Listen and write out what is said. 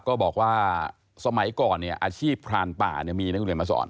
ก็บอกว่าสมัยก่อนเนี่ยอาชีพพรานป่าเนี่ยมีนะคุณเดี๋ยวมาสอน